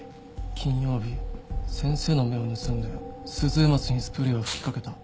金曜日先生の目を盗んでスズエマツにスプレーを吹きかけた。